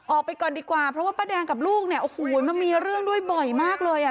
ออกไปก่อนดีกว่าเพราะว่าป้าแดงกับลูกเนี่ยโอ้โหมันมีเรื่องด้วยบ่อยมากเลยอ่ะ